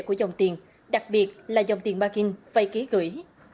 của dòng tiền đặc biệt là dòng tiền margin vay ký gửi